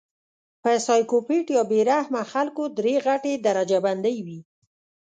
پۀ سايکو پېت يا بې رحمه خلکو درې غټې درجه بندۍ وي